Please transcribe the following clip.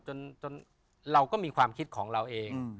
เราก็มีความคิดของเราเอง